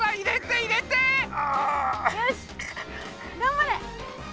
あ！よしがんばれ！